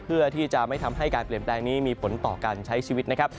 เพื่อที่จะไม่ทำให้การเปลี่ยนแปลงนี้มีผลต่อการใช้ชีวิตนะครับ